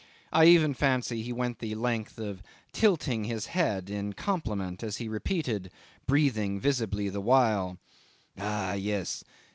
I even fancy he went the length of tilting his head in compliment as he repeated, breathing visibly the while, "Ah, yes.